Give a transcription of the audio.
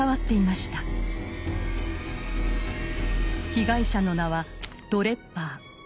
被害者の名はドレッバー。